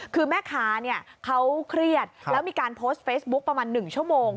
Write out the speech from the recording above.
คือแม่ค้าเขาเครียดแล้วมีการโพสต์เฟซบุ๊คประมาณ๑ชั่วโมง